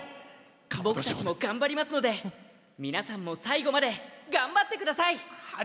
僕たちも頑張りますので皆さんも最後まで頑張ってください。